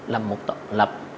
làm một lập